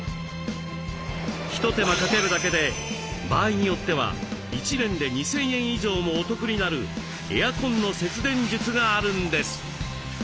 一手間かけるだけで場合によっては１年で２，０００円以上もお得になるエアコンの節電術があるんです。